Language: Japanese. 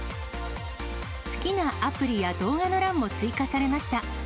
好きなアプリや動画の欄も追加されました。